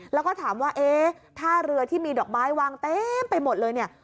แล้วก็ถามว่าถ้าเรือที่มีดอกไม้วางเต็มไปหมดเลย